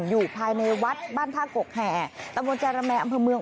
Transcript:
อยู่ภายในวัดบ้านท่ากกแห่ตะบนจาระแมอำเภอเมือง